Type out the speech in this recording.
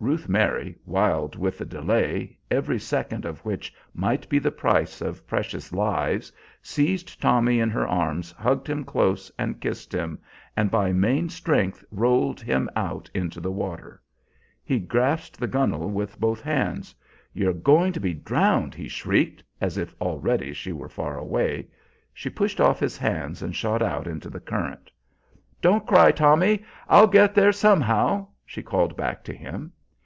Ruth Mary, wild with the delay, every second of which might be the price of precious lives, seized Tommy in her arms, hugged him close and kissed him, and by main strength rolled him out into the water. He grasped the gunwale with both hands. "You're going to be drowned," he shrieked, as if already she were far away. She pushed off his hands and shot out into the current. "Don't cry, Tommy, I'll get there somehow," she called back to him.